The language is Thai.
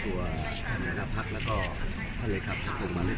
หรือว่าทุกคนจะมากงานงานกันอีกในหลัง